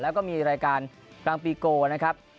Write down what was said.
แล้วก็มีรายการกลางปีโกนะครับ